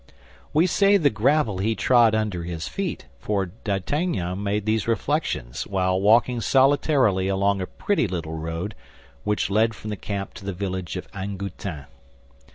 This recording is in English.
We say the gravel he trod under his feet, for D'Artagnan made these reflections while walking solitarily along a pretty little road which led from the camp to the village of Angoutin.